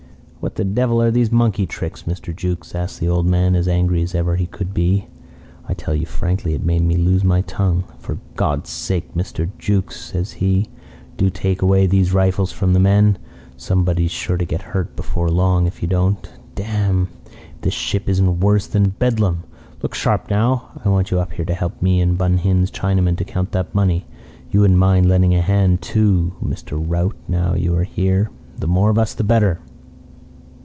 "'What the devil are these monkey tricks, Mr. Jukes?' asks the old man, as angry as ever he could be. I tell you frankly it made me lose my tongue. 'For God's sake, Mr. Jukes,' says he, 'do take away these rifles from the men. Somebody's sure to get hurt before long if you don't. Damme, if this ship isn't worse than Bedlam! Look sharp now. I want you up here to help me and Bun Hin's Chinaman to count that money. You wouldn't mind lending a hand, too, Mr. Rout, now you are here. The more of us the better.'